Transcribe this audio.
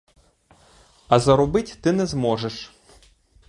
А заробить ти не зможеш.